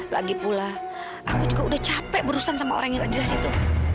lagipula aku juga udah capek berusaha sama orang yang nggak jelas itu